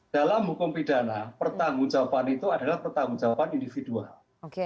dalam hukum pidana pertanggung jawaban itu adalah pertanggung jawaban individual